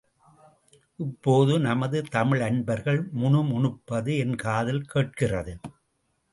இப்போது நமது தமிழன்பர்கள் முணுமுணுப்பது என் காதில் கேட்கிறது.